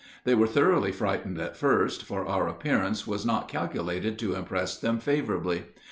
They were thoroughly frightened at first, for our appearance was not calculated to impress them favorably.